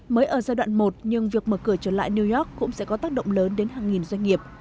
mới ở giai đoạn một nhưng việc mở cửa trở lại new york cũng sẽ có tác động lớn đến hàng nghìn doanh nghiệp